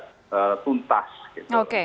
untuk tuntas gitu